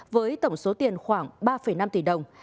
với tổng số tiền khoảng ba năm tỷ đồng